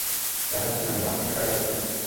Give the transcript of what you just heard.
চাষার ছেলে, মহাশূন্যে চাষবাস করি?